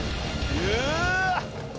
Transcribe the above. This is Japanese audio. うわ。